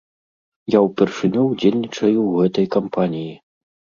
Я ўпершыню ўдзельнічаю ў гэтай кампаніі.